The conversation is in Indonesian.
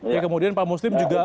ya kemudian pak muslim juga